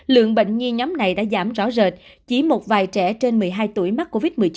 lượng bệnh nhi nhóm này đã giảm rõ rệt chỉ một vài trẻ trên một mươi hai tuổi mắc covid một mươi chín